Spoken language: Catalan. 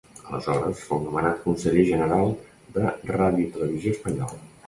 Aleshores fou nomenat Conseller General de Radiotelevisió Espanyola.